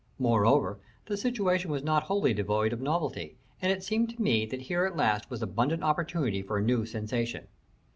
Moreover, the situation was not wholly devoid of novelty, and it seemed to me that here at last was abundant opportunity for a new sensation.